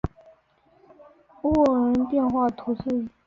勒基乌人口变化图示